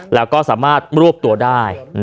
แล้วก็สามารถรวบตัวได้